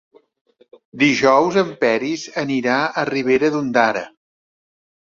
Dijous en Peris anirà a Ribera d'Ondara.